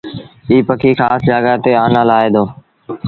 ايٚ پکي کآس جآڳآ تي آنآ لآهي دو۔